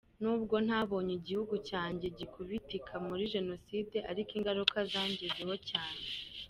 Nubwo ntabonye igihugu cyanjye gikubitika muri Jenoside ariko ingaruka zangezeho cyane.